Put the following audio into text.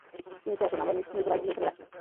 নিচে আসুন আমরা মৃত লাশগুলো এখানে রাখি।